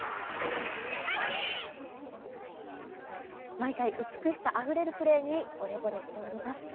毎回美しさあふれるプレーにほれぼれしております。